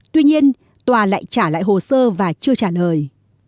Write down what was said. tuy nhiên tòa lại trả lại hồ sơ và chưa trả lời